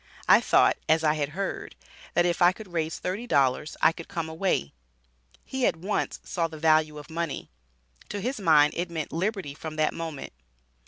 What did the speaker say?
I thought, as I had heard, that if I could raise thirty dollars I could come away." He at once saw the value of money. To his mind it meant liberty from that moment.